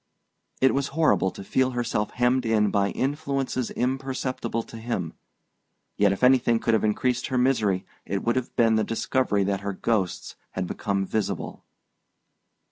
It was horrible to feel herself hemmed in by influences imperceptible to him; yet if anything could have increased her misery it would have been the discovery that her ghosts had become visible.